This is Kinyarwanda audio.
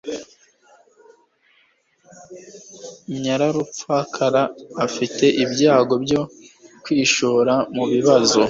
Nyararupfakara afite ibyago byo kwishora mubibazo.